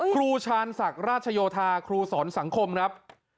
ครูชาญศักดิ์ราชโยธาครูสอนสังคมครับ